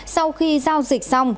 sau khi giao dịch xong